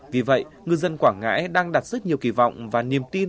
vì vậy ngư dân quảng ngãi đang đặt rất nhiều kỳ vọng và niềm tin